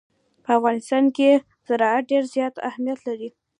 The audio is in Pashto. په افغانستان کې زراعت ډېر زیات اهمیت لري.